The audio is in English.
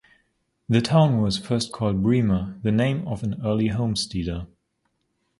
The town was first called Bremer, the name of an early homesteader.